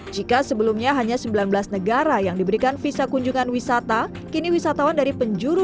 jika sebelumnya hanya sembilan belas negara yang diberikan visa kunjungan wisata kini wisatawan dari penjuru